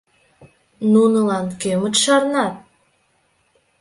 Нунылан, кӧмыт шарнат